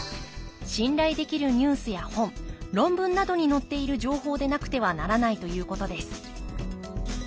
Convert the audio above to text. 信頼できるニュースや本論文などに載っている情報でなくてはならないということです